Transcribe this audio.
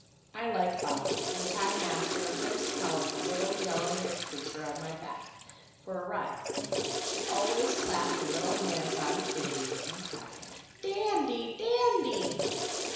I liked Bobby from the time Master first held the little yellow haired creature on my back, for a ride; and she always clapped her little hands on seeing me, and cried, "Dandy! Dandy!"